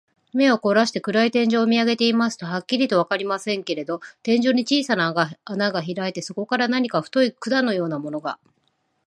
目をこらして、暗い天井を見あげていますと、はっきりとはわかりませんけれど、天井に小さな穴がひらいて、そこから何か太い管のようなものが、